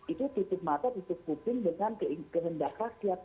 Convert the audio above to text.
itu tutup mata tutup kuping dengan kehendak rakyat